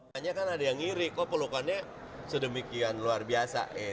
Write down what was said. hanya kan ada yang ngiri kok pelukannya sedemikian luar biasa